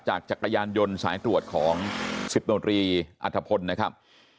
จักรยานยนต์สายตรวจของ๑๐โนตรีอัธพลนะครับ